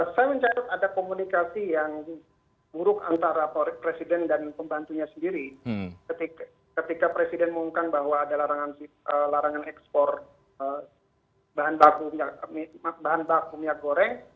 saya mencatat ada komunikasi yang buruk antara presiden dan pembantunya sendiri ketika presiden mengumumkan bahwa ada larangan ekspor bahan baku minyak goreng